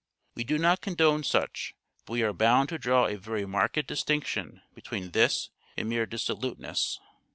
We do not condone such, but we are bound to draw a very marked distinction between this and mere dissoluteness.